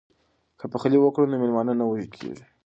که پخلی وکړو نو میلمانه نه وږي کیږي.